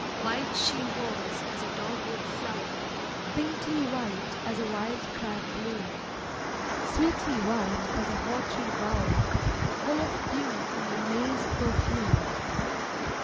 III White she was as a dogwood flower, Pinkly white as a wild crab bloom, Sweetly white as a hawtree bower Full of dew and the May's perfume.